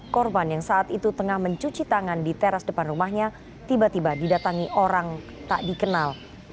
korban yang saat itu tengah mencuci tangan di teras depan rumahnya tiba tiba didatangi orang tak dikenal